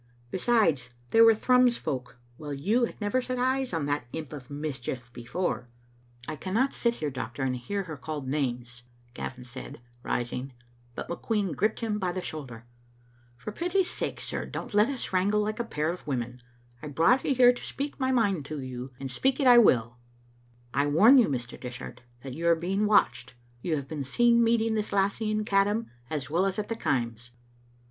Besides, they were Thrums folk, while you had never set eyes on that imp of mischief before*" Digitized by VjOOQ IC 194 tCbe xmie Aitiiater. " I cannot sit here, doctor, and hear her called names, Gavin said, rising, but McQueen gripped him by the shoulder. " For pity's sake, sir, don't let us wrangle like a pair of women. I brought you here to speak my mind to you, and speak it I will. I warn you, Mr. Dishart, that you are being watched. You have been seen meeting this lassie in Caddam as well as at the Kaims."